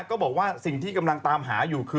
ก็บอกว่าสิ่งที่กำลังตามหาอยู่คือ